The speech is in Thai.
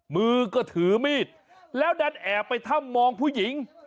มือก็ถือมีดแล้วดันแอบไปถ้ำมองผู้หญิง